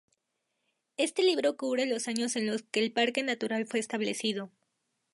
Este libro cubre los años en los que el parque natural fue establecido.